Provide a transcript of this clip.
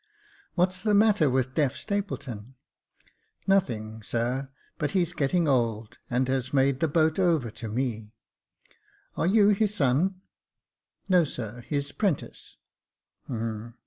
" What's the matter with deaf Stapleton ?" "Nothing, sir; but he's getting old, and has made the boat over to me." " Are you his son ?"" No, sir, his 'prentice."